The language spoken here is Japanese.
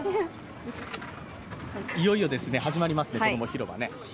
いよいよですね、始まりますこども広場ね。